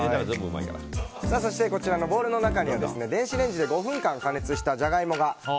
こちらのボウルの中には電子レンジで５分間加熱したジャガイモが。